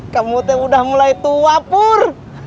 kamu tuh sudah mulai tua pur